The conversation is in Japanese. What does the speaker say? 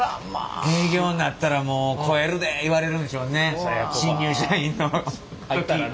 営業になったらもう肥えるでえ言われるんでしょうね新入社員の時。